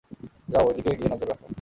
যাও ঐদিকে গিয়ে নজর রাখো।